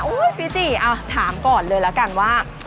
อุ๊ยฟิจิอ่ะถามก่อนเลยแล้วกันว่า